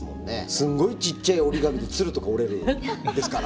すんごいちっちゃい折り紙で鶴とか折れるんですから。